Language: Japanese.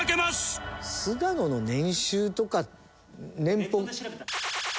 菅野の年収とか年俸。